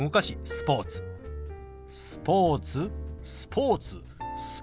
「スポーツ」「スポーツ」「スポーツ」。